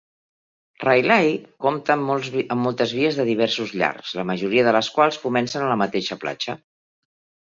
Railay compta amb moltes vies de diversos llargs, la majoria de les quals comencen a la mateixa platja.